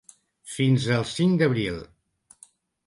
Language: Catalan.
Fins al cinc d’abril.